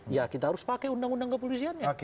ya kita harus pakai undang undang kepolisiannya